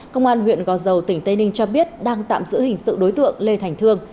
công an huyện gò dầu tỉnh tây ninh cho biết đang tạm giữ hình sự đối tượng lê thành thương